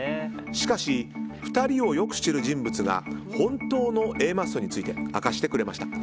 しかし、２人をよく知る人物が本当のＡマッソについて明かしてくれました。